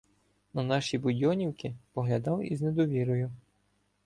На наші будьонівки поглядав із недовірою.